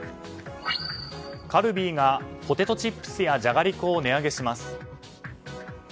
カルビーがポテトチップスやじゃがりこを値上げします。